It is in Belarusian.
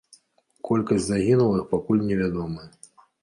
Колькасць загінулых пакуль не вядомая.